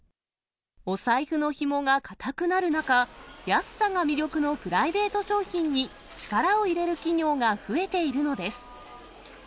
お財布のひもが固くなる中、安さが魅力のプライベート商品に力を入れる企業が増えているのです。